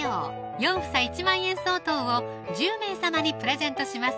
４房１万円相当を１０名様にプレゼントします